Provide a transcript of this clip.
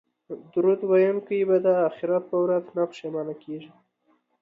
درود ویونکی به د اخرت په ورځ نه پښیمانه کیږي